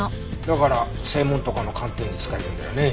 だから声紋とかの鑑定に使えるんだよね。